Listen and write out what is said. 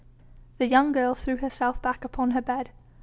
The young girl threw herself back upon her bed.